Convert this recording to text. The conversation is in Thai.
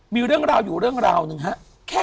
มีเรื่องราวอยู่เรื่องราวนึงฮะ